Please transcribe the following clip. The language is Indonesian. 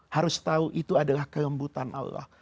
harus tahu itu adalah kelembutan allah